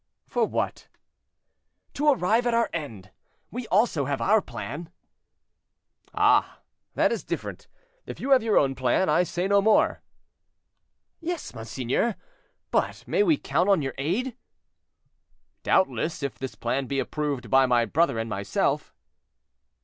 "For what?" "To arrive at our end. We also have our plan." "Ah! that is different; if you have your own plan, I say no more." "Yes, monseigneur; but may we count on your aid?" "Doubtless, if this plan be approved by my brother and myself."